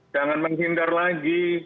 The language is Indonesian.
jangan menghindar lagi